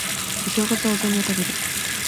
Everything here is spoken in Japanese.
お正月はお雑煮を食べる